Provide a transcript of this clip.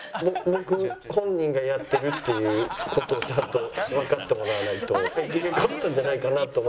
僕本人がやってるっていう事をちゃんとわかってもらわないと。